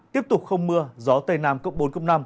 tiếp tục không mưa gió tây nam cộng bốn cộng năm